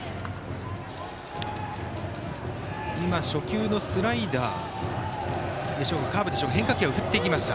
初球のスライダーでしょうかカーブを変化球、振っていきました。